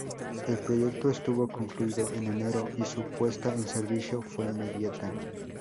El proyecto estuvo concluido en enero y su puesta en servicio fue inmediata.